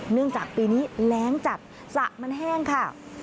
เนื่องจากปีนี้แรงจัดสระมันแห้งค่ะ